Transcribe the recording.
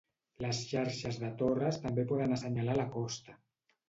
Les xarxes de torres també poden assenyalar la costa.